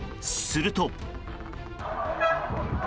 すると。